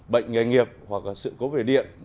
bệnh nghề nghiệp hoặc sự cố vệ